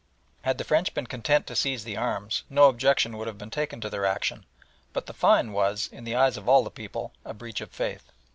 Had the French been content to seize the arms no objection would have been taken to their action, but the fine was, in the eyes of all the people, a breach of faith.